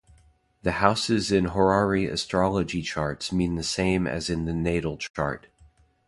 The houses in horary astrology charts mean the same as in the natal chart.